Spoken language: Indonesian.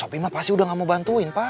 sopi mah pasti udah gak mau bantuin pak